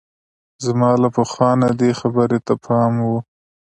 زما له پخوا نه دې خبرې ته پام وو.